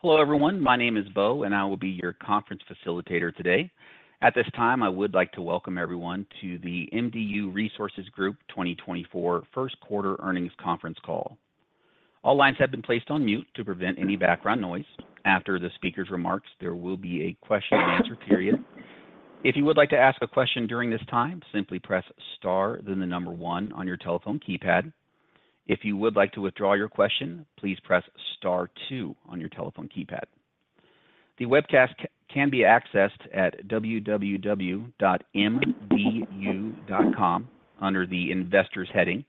Hello everyone, my name is Beau and I will be your conference facilitator today. At this time I would like to welcome everyone to the MDU Resources Group 2024 first quarter earnings conference call. All lines have been placed on mute to prevent any background noise. After the speaker's remarks, there will be a question and answer period. If you would like to ask a question during this time, simply press star then the number one on your telephone keypad. If you would like to withdraw your question, please press star two on your telephone keypad. The webcast can be accessed at www.mdu.com under the investors heading.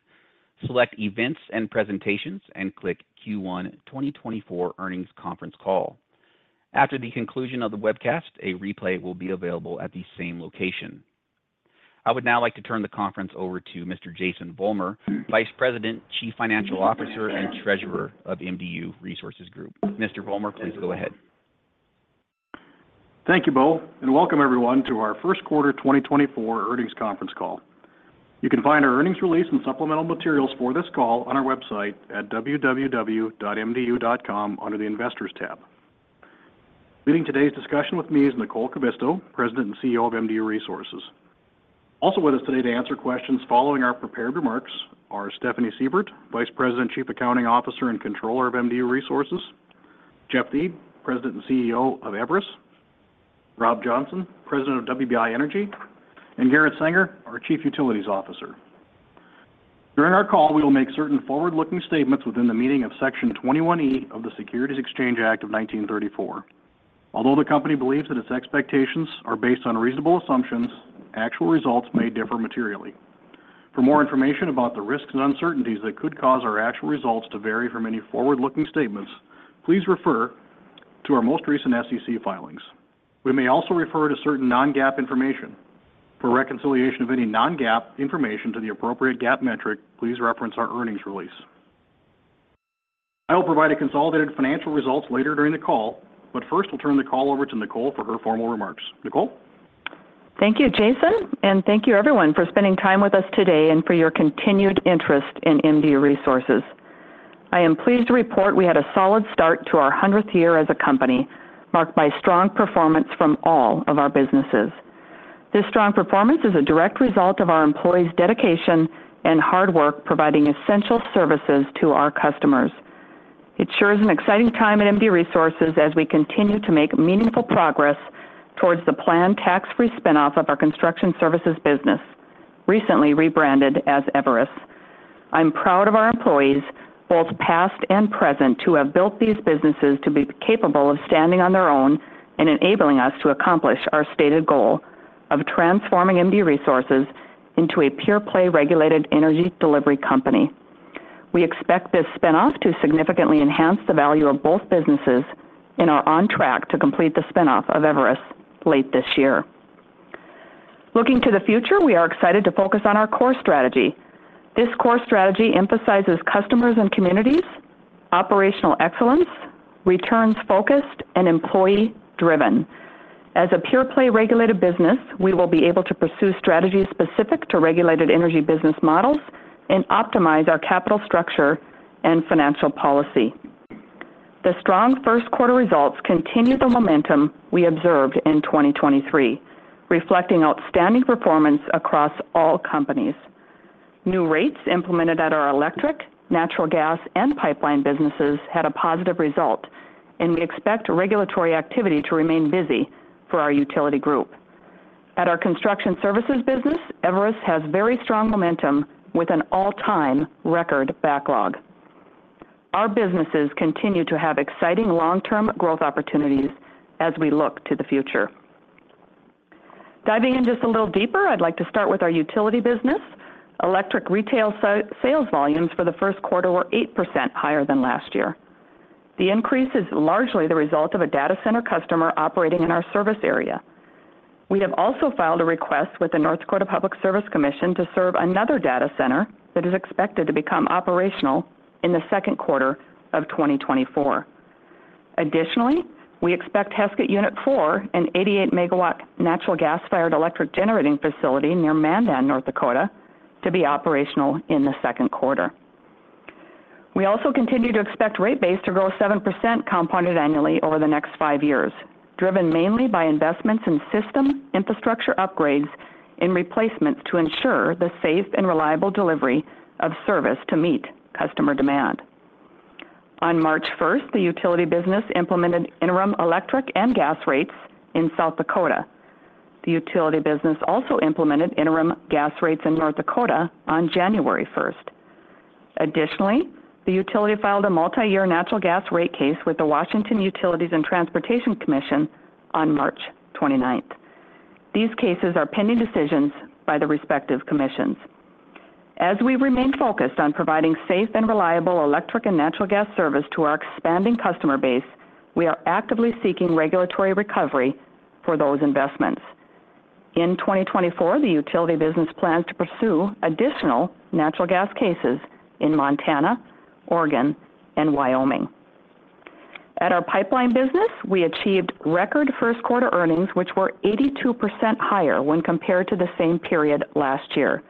Select events and presentations and click Q1 2024 earnings conference call. After the conclusion of the webcast, a replay will be available at the same location. I would now like to turn the conference over to Mr. Jason Vollmer, Vice President, Chief Financial Officer and Treasurer of MDU Resources Group. Mr. Vollmer, please go ahead. Thank you Beau and welcome everyone to our first quarter 2024 earnings conference call. You can find our earnings release and supplemental materials for this call on our website at www.mdu.com under the investors tab. Leading today's discussion with me is Nicole Kivisto, President and CEO of MDU Resources. Also with us today to answer questions following our prepared remarks are Stephanie Seivert, Vice President, Chief Accounting Officer and Controller of MDU Resources; Jeff Thiede, President and CEO of Everus; Rob Johnson, President of WBI Energy; and Garrett Senger, our Chief Utilities Officer. During our call we will make certain forward-looking statements within the meaning of Section 21E of the Securities Exchange Act of 1934. Although the company believes that its expectations are based on reasonable assumptions, actual results may differ materially. For more information about the risks and uncertainties that could cause our actual results to vary from any forward-looking statements, please refer to our most recent SEC filings. We may also refer to certain non-GAAP information. For reconciliation of any non-GAAP information to the appropriate GAAP metric, please reference our earnings release. I will provide a consolidated financial results later during the call, but first we'll turn the call over to Nicole for her formal remarks. Nicole? Thank you Jason, and thank you everyone for spending time with us today and for your continued interest in MDU Resources. I am pleased to report we had a solid start to our 100th year as a company, marked by strong performance from all of our businesses. This strong performance is a direct result of our employees' dedication and hard work providing essential services to our customers. It sure is an exciting time at MDU Resources as we continue to make meaningful progress towards the planned tax-free spinoff of our construction services business, recently rebranded as Everus. I'm proud of our employees, both past and present, who have built these businesses to be capable of standing on their own and enabling us to accomplish our stated goal of transforming MDU Resources into a pure-play regulated energy delivery company. We expect this spinoff to significantly enhance the value of both businesses and are on track to complete the spinoff of Everus late this year. Looking to the future, we are excited to focus on our core strategy. This core strategy emphasizes customers and communities, operational excellence, returns focused, and employee-driven. As a pure-play regulated business, we will be able to pursue strategies specific to regulated energy business models and optimize our capital structure and financial policy. The strong first quarter results continue the momentum we observed in 2023, reflecting outstanding performance across all companies. New rates implemented at our electric, natural gas, and pipeline businesses had a positive result, and we expect regulatory activity to remain busy for our utility group. At our construction services business, Everus has very strong momentum with an all-time record backlog. Our businesses continue to have exciting long-term growth opportunities as we look to the future. Diving in just a little deeper, I'd like to start with our utility business. Electric retail sales volumes for the first quarter were 8% higher than last year. The increase is largely the result of a data center customer operating in our service area. We have also filed a request with the North Dakota Public Service Commission to serve another data center that is expected to become operational in the second quarter of 2024. Additionally, we expect Heskett Unit 4, an 88-MW natural gas-fired electric generating facility near Mandan, North Dakota, to be operational in the second quarter. We also continue to expect rate base to grow 7% compounded annually over the next five years, driven mainly by investments in system infrastructure upgrades and replacements to ensure the safe and reliable delivery of service to meet customer demand. On March 1st, the utility business implemented interim electric and gas rates in South Dakota. The utility business also implemented interim gas rates in North Dakota on January 1st. Additionally, the utility filed a multi-year natural gas rate case with the Washington Utilities and Transportation Commission on March 29th. These cases are pending decisions by the respective commissions. As we remain focused on providing safe and reliable electric and natural gas service to our expanding customer base, we are actively seeking regulatory recovery for those investments. In 2024, the utility business plans to pursue additional natural gas cases in Montana, Oregon, and Wyoming. At our pipeline business, we achieved record first quarter earnings, which were 82% higher when compared to the same period last year,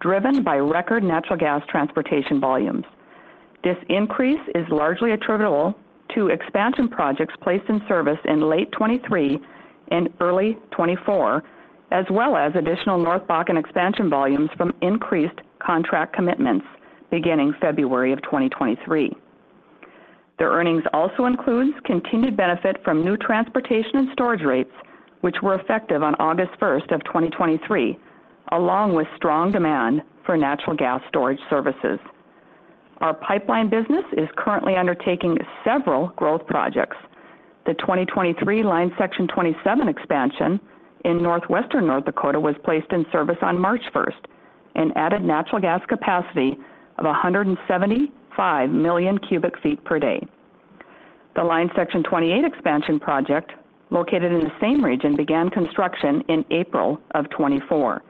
driven by record natural gas transportation volumes. This increase is largely attributable to expansion projects placed in service in late 2023 and early 2024, as well as additional North Bakken and expansion volumes from increased contract commitments beginning February of 2023. The earnings also include continued benefit from new transportation and storage rates, which were effective on August 1st of 2023, along with strong demand for natural gas storage services. Our pipeline business is currently undertaking several growth projects. The 2023 Line Section 27 Expansion in northwestern North Dakota was placed in service on March 1st and added natural gas capacity of 175 million cubic feet per day. The Line Section 28 Expansion project, located in the same region, began construction in April of 2024.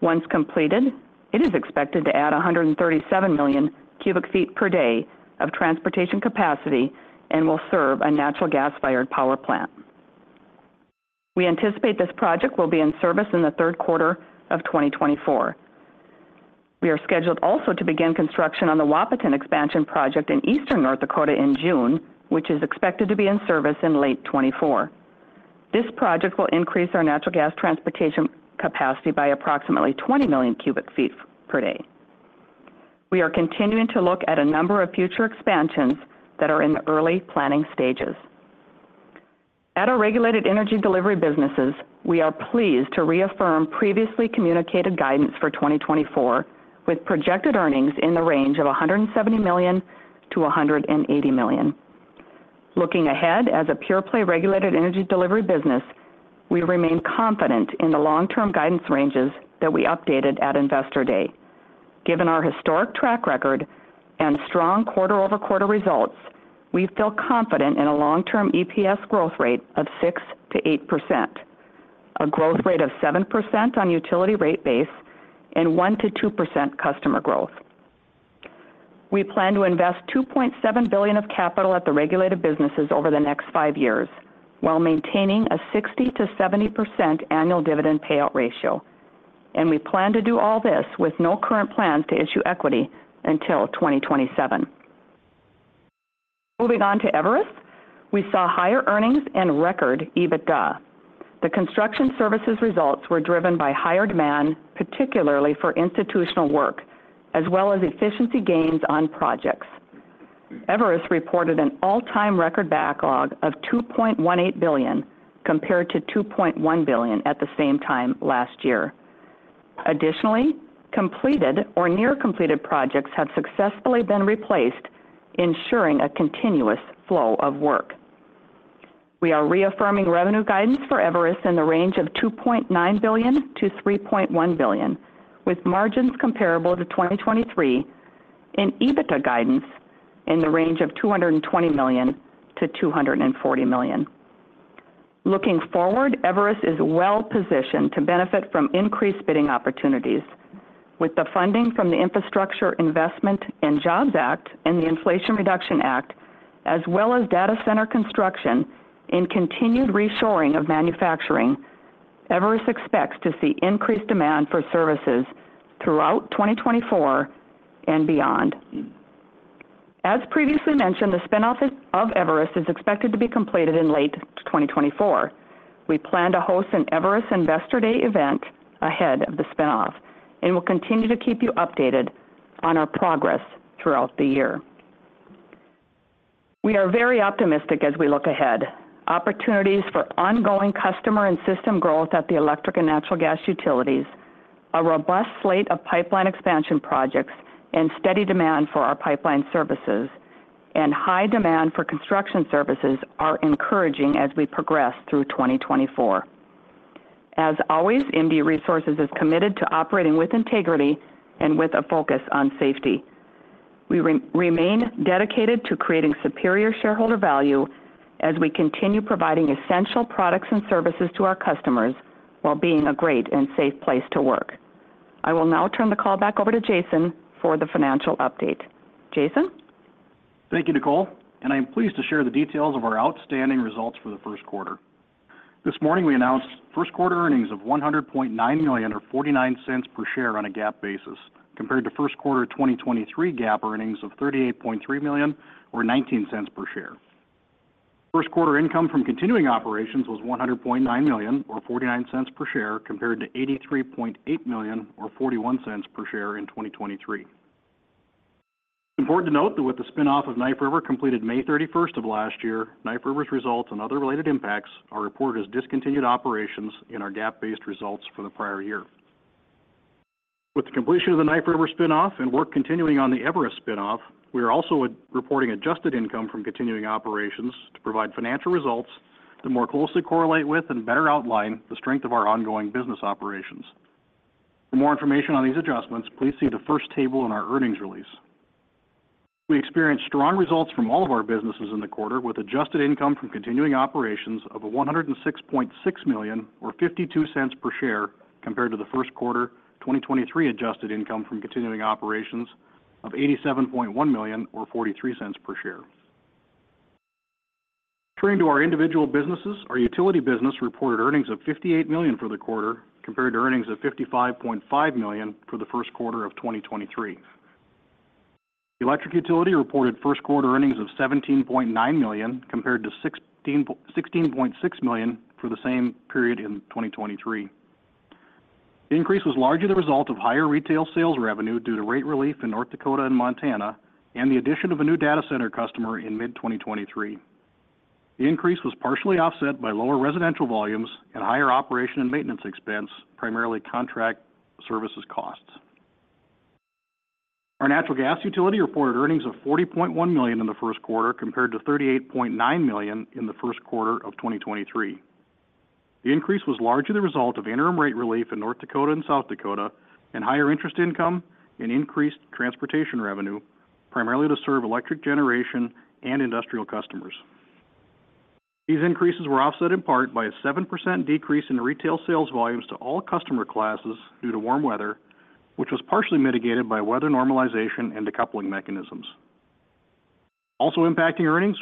Once completed, it is expected to add 137 million cubic feet per day of transportation capacity and will serve a natural gas-fired power plant. We anticipate this project will be in service in the third quarter of 2024. We are scheduled also to begin construction on the Wahpeton Expansion project in eastern North Dakota in June, which is expected to be in service in late 2024. This project will increase our natural gas transportation capacity by approximately 20 million cubic feet per day. We are continuing to look at a number of future expansions that are in the early planning stages. At our regulated energy delivery businesses, we are pleased to reaffirm previously communicated guidance for 2024 with projected earnings in the range of $170 million-$180 million. Looking ahead as a pure-play regulated energy delivery business, we remain confident in the long-term guidance ranges that we updated at Investor Day. Given our historic track record and strong quarter-over-quarter results, we feel confident in a long-term EPS growth rate of 6%-8%, a growth rate of 7% on utility rate base, and 1%-2% customer growth. We plan to invest $2.7 billion of capital at the regulated businesses over the next five years while maintaining a 60%-70% annual dividend payout ratio, and we plan to do all this with no current plans to issue equity until 2027. Moving on to Everus, we saw higher earnings and record EBITDA. The construction services results were driven by higher demand, particularly for institutional work, as well as efficiency gains on projects. Everus reported an all-time record backlog of $2.18 billion compared to $2.1 billion at the same time last year. Additionally, completed or near-completed projects have successfully been replaced, ensuring a continuous flow of work. We are reaffirming revenue guidance for Everus in the range of $2.9 billion-$3.1 billion, with margins comparable to 2023, and EBITDA guidance in the range of $220 million-$240 million. Looking forward, Everus is well positioned to benefit from increased bidding opportunities. With the funding from the Infrastructure Investment and Jobs Act and the Inflation Reduction Act, as well as data center construction and continued reshoring of manufacturing, Everus expects to see increased demand for services throughout 2024 and beyond. As previously mentioned, the spinoff of Everus is expected to be completed in late 2024. We plan to host an Everus Investor Day event ahead of the spinoff and will continue to keep you updated on our progress throughout the year. We are very optimistic as we look ahead. Opportunities for ongoing customer and system growth at the electric and natural gas utilities, a robust slate of pipeline expansion projects, and steady demand for our pipeline services and high demand for construction services are encouraging as we progress through 2024. As always, MDU Resources is committed to operating with integrity and with a focus on safety. We remain dedicated to creating superior shareholder value as we continue providing essential products and services to our customers while being a great and safe place to work. I will now turn the call back over to Jason for the financial update. Jason? Thank you, Nicole, and I am pleased to share the details of our outstanding results for the first quarter. This morning we announced first quarter earnings of $100.9 million or $0.49 per share on a GAAP basis, compared to first quarter 2023 GAAP earnings of $38.3 million or $0.19 per share. First quarter income from continuing operations was $100.9 million or $0.49 per share, compared to $83.8 million or $0.41 per share in 2023. It's important to note that with the spinoff of Knife River completed May 31st of last year, Knife River's results and other related impacts are reported as discontinued operations in our GAAP-based results for the prior year. With the completion of the Knife River spinoff and work continuing on the Everus spinoff, we are also reporting adjusted income from continuing operations to provide financial results that more closely correlate with and better outline the strength of our ongoing business operations. For more information on these adjustments, please see the first table in our earnings release. We experienced strong results from all of our businesses in the quarter with adjusted income from continuing operations of $106.6 million or $0.52 per share, compared to the first quarter 2023 adjusted income from continuing operations of $87.1 million or $0.43 per share. Turning to our individual businesses, our utility business reported earnings of $58 million for the quarter, compared to earnings of $55.5 million for the first quarter of 2023. Electric utility reported first quarter earnings of $17.9 million, compared to $16.6 million for the same period in 2023. The increase was largely the result of higher retail sales revenue due to rate relief in North Dakota and Montana and the addition of a new data center customer in mid-2023. The increase was partially offset by lower residential volumes and higher operation and maintenance expense, primarily contract services costs. Our natural gas utility reported earnings of $40.1 million in the first quarter, compared to $38.9 million in the first quarter of 2023. The increase was largely the result of interim rate relief in North Dakota and South Dakota and higher interest income and increased transportation revenue, primarily to serve electric generation and industrial customers. These increases were offset in part by a 7% decrease in retail sales volumes to all customer classes due to warm weather, which was partially mitigated by weather normalization and decoupling mechanisms. Also impacting earnings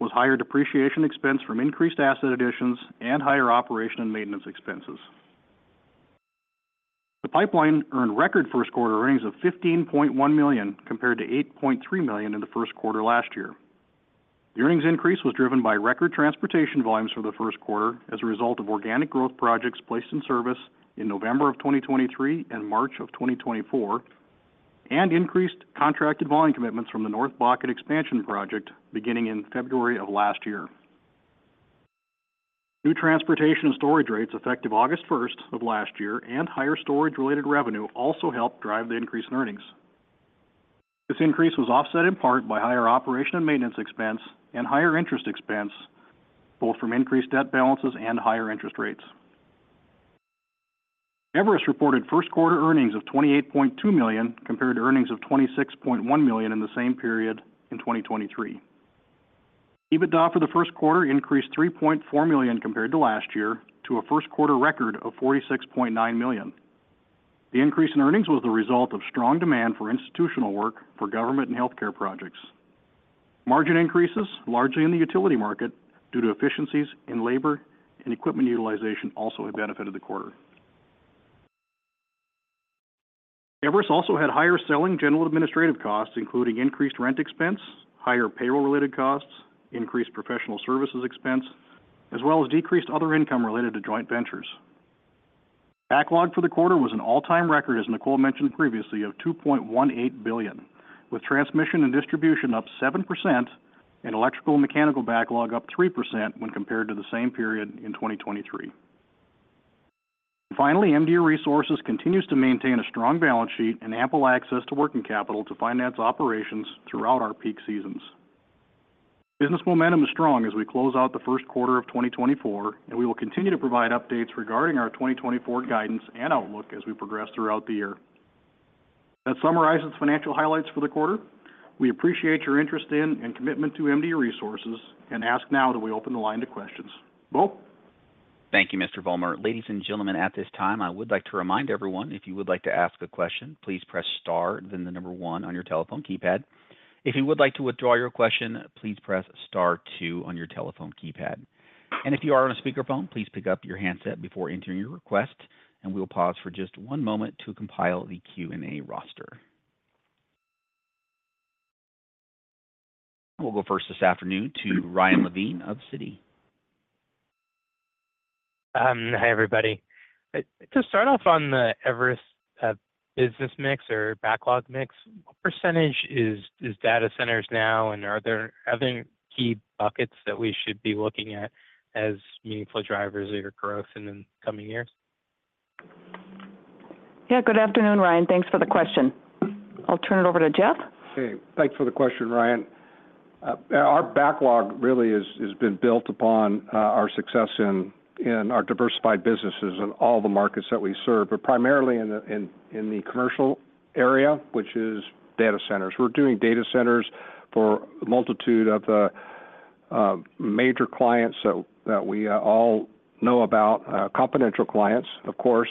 was higher depreciation expense from increased asset additions and higher operation and maintenance expenses. The pipeline earned record first quarter earnings of $15.1 million, compared to $8.3 million in the first quarter last year. The earnings increase was driven by record transportation volumes for the first quarter as a result of organic growth projects placed in service in November of 2023 and March of 2024, and increased contracted volume commitments from the North Bakken Expansion project beginning in February of last year. New transportation and storage rates effective August 1st of last year and higher storage-related revenue also helped drive the increase in earnings. This increase was offset in part by higher operation and maintenance expense and higher interest expense, both from increased debt balances and higher interest rates. Everus reported first quarter earnings of $28.2 million, compared to earnings of $26.1 million in the same period in 2023. EBITDA for the first quarter increased $3.4 million compared to last year to a first quarter record of $46.9 million. The increase in earnings was the result of strong demand for institutional work for government and healthcare projects. Margin increases, largely in the utility market due to efficiencies in labor and equipment utilization, also have benefited the quarter. Everus also had higher selling general administrative costs, including increased rent expense, higher payroll-related costs, increased professional services expense, as well as decreased other income related to joint ventures. Backlog for the quarter was an all-time record, as Nicole mentioned previously, of $2.18 billion, with transmission and distribution up 7% and electrical and mechanical backlog up 3% when compared to the same period in 2023. Finally, MDU Resources continues to maintain a strong balance sheet and ample access to working capital to finance operations throughout our peak seasons. Business momentum is strong as we close out the first quarter of 2024, and we will continue to provide updates regarding our 2024 guidance and outlook as we progress throughout the year. That summarizes financial highlights for the quarter. We appreciate your interest in and commitment to MDU Resources and ask now that we open the line to questions. Beau? Thank you, Mr. Vollmer. Ladies and gentlemen, at this time, I would like to remind everyone, if you would like to ask a question, please press star, then the number one on your telephone keypad. If you would like to withdraw your question, please press star two on your telephone keypad. And if you are on a speakerphone, please pick up your handset before entering your request, and we will pause for just one moment to compile the Q&A roster. We'll go first this afternoon to Ryan Levine of Citi. Hi, everybody. To start off on the Everus business mix or backlog mix, what percentage is data centers now, and are there other key buckets that we should be looking at as meaningful drivers of your growth in the coming years? Yeah, good afternoon, Ryan. Thanks for the question. I'll turn it over to Jeff. Hey, thanks for the question, Ryan. Our backlog really has been built upon our success in our diversified businesses and all the markets that we serve, but primarily in the commercial area, which is data centers. We're doing data centers for a multitude of the major clients that we all know about, confidential clients, of course,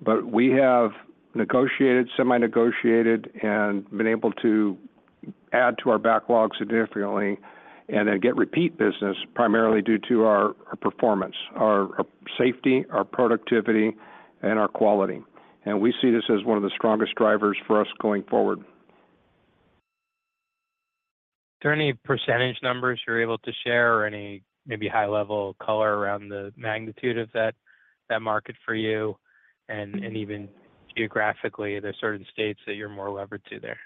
but we have negotiated, semi-negotiated, and been able to add to our backlog significantly and then get repeat business primarily due to our performance, our safety, our productivity, and our quality. And we see this as one of the strongest drivers for us going forward. Is there any percentage numbers you're able to share or any maybe high-level color around the magnitude of that market for you? And even geographically, are there certain states that you're more levered to there?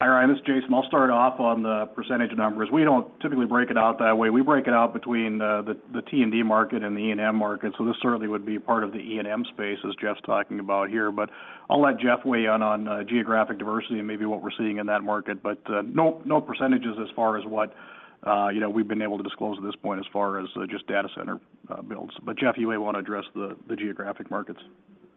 Hi, Ryan. This is Jason. I'll start off on the percentage numbers. We don't typically break it out that way. We break it out between the T&D market and the E&M market. So this certainly would be part of the E&M space, as Jeff's talking about here. But I'll let Jeff weigh in on geographic diversity and maybe what we're seeing in that market. But no percentages as far as what we've been able to disclose at this point as far as just data center builds. But Jeff, you may want to address the geographic markets.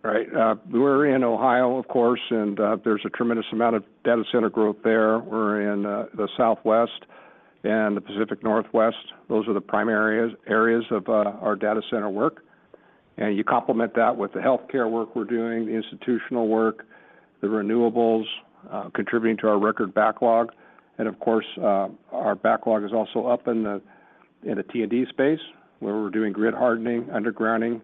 All right. We're in Ohio, of course, and there's a tremendous amount of data center growth there. We're in the Southwest and the Pacific Northwest. Those are the prime areas of our data center work. And you complement that with the healthcare work we're doing, the institutional work, the renewables contributing to our record backlog. And of course, our backlog is also up in the T&D space where we're doing grid hardening, undergrounding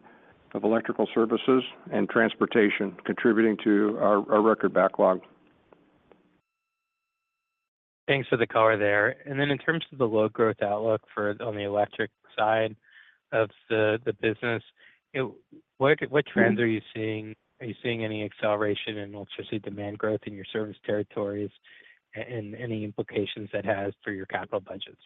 of electrical services, and transportation contributing to our record backlog. Thanks for the color there. Then in terms of the low-growth outlook on the electric side of the business, what trends are you seeing? Are you seeing any acceleration in electricity demand growth in your service territories and any implications that has for your capital budgets?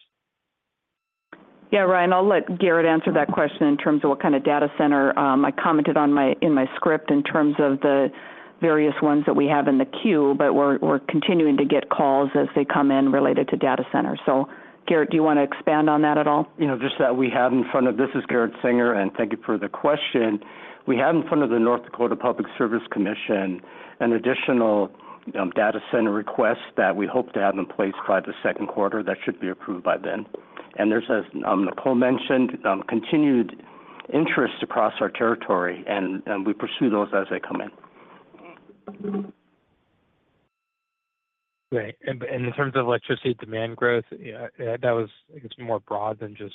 Yeah, Ryan, I'll let Garret answer that question in terms of what kind of data center I commented on in my script in terms of the various ones that we have in the queue, but we're continuing to get calls as they come in related to data centers. So Garret, do you want to expand on that at all? Just that we have in front of this is Garret Senger, and thank you for the question. We have in front of the North Dakota Public Service Commission an additional data center request that we hope to have in place by the second quarter. That should be approved by then. And there's, as Nicole mentioned, continued interest across our territory, and we pursue those as they come in. Great. And in terms of electricity demand growth, that was, I guess, more broad than just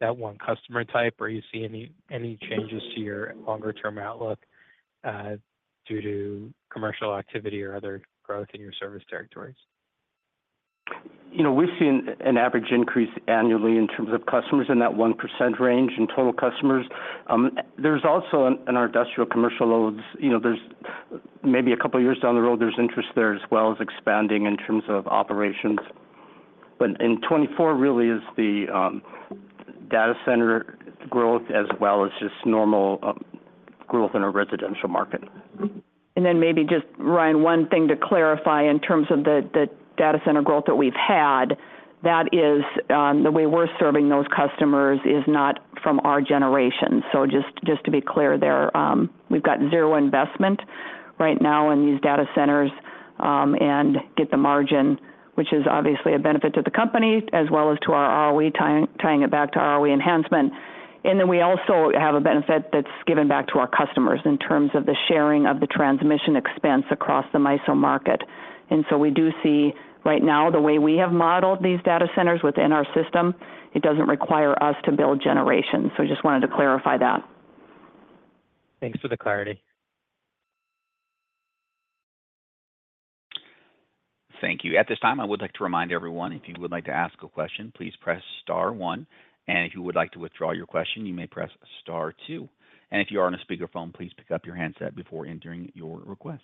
that one customer type. Or are you seeing any changes to your longer-term outlook due to commercial activity or other growth in your service territories? We've seen an average increase annually in terms of customers in that 1% range in total customers. There's also in our industrial commercial loads, maybe a couple of years down the road, there's interest there as well as expanding in terms of operations. But in 2024, really, is the data center growth as well as just normal growth in our residential market. And then maybe just, Ryan, one thing to clarify in terms of the data center growth that we've had, that is the way we're serving those customers is not from our generation. So just to be clear there, we've got 0 investment right now in these data centers and get the margin, which is obviously a benefit to the company as well as to our ROE, tying it back to ROE enhancement. And then we also have a benefit that's given back to our customers in terms of the sharing of the transmission expense across the MISO market. And so we do see right now the way we have modeled these data centers within our system, it doesn't require us to build generations. So I just wanted to clarify that. Thanks for the clarity. Thank you. At this time, I would like to remind everyone, if you would like to ask a question, please press star one. If you would like to withdraw your question, you may press star two. If you are on a speakerphone, please pick up your handset before entering your request.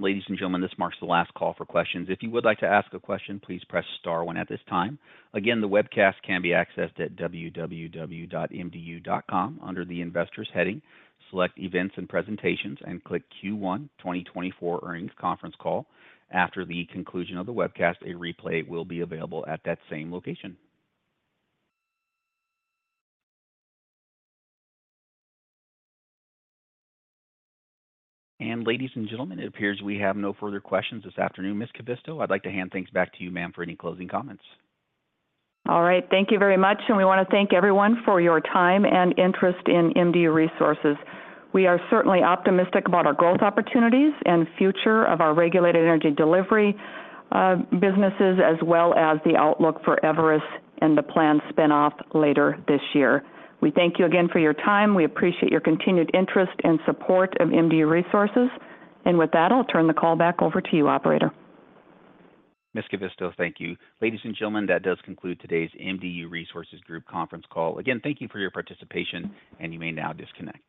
Ladies and gentlemen, this marks the last call for questions. If you would like to ask a question, please press star one at this time. Again, the webcast can be accessed at www.mdu.com under the investors heading. Select events and presentations, and click Q1 2024 earnings conference call. After the conclusion of the webcast, a replay will be available at that same location. Ladies and gentlemen, it appears we have no further questions this afternoon. Ms. Kivisto, I'd like to hand things back to you, ma'am, for any closing comments. All right. Thank you very much. We want to thank everyone for your time and interest in MDU Resources. We are certainly optimistic about our growth opportunities and future of our regulated energy delivery businesses as well as the outlook for Everus and the planned spinoff later this year. We thank you again for your time. We appreciate your continued interest and support of MDU Resources. With that, I'll turn the call back over to you, operator. Ms. Kivisto, thank you. Ladies and gentlemen, that does conclude today's MDU Resources Group conference call. Again, thank you for your participation, and you may now disconnect.